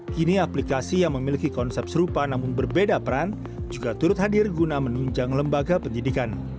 kini aplikasi yang memiliki konsep serupa namun berbeda peran juga turut hadir guna menunjang lembaga pendidikan